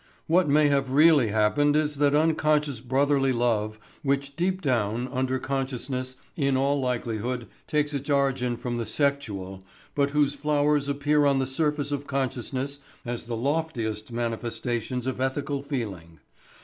What may have really happened is that unconscious brotherly love which deep down under consciousness in all likelihood takes its origin from the sexual but whose flowers appear on the surface of consciousness as the loftiest manifestations of ethical feeling.